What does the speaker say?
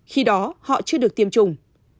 khi đó họ chưa được tiêm chủng